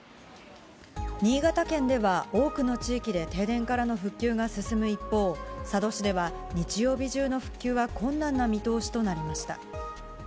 新潟県では多くの地域で停電からの復旧が進む一方、佐渡市では、日曜日中の復旧は困難な見通しとなりました。